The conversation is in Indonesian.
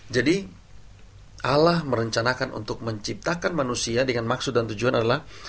jadi allah merencanakan untuk menciptakan manusia dengan maksud dan tujuan adalah